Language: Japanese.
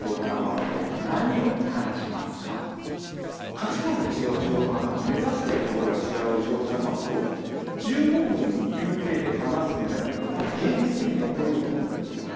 価値観の違う仕事仲間目指しているところが違う仕事仲間と１５分の休憩で話すみたいなことは多分現実的に起こりうると思うんだよね。